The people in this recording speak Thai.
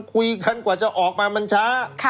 คุยกันกว่าจะออกมามันช้า